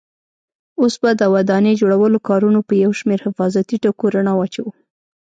اوس به د ودانۍ جوړولو کارونو په یو شمېر حفاظتي ټکو رڼا واچوو.